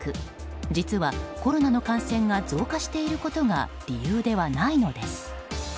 実はコロナの感染が増加していることが理由ではないのです。